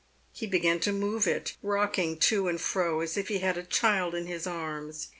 He began to move it, rocking to and fro as if he had a child in his arms.